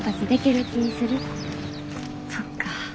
そっか。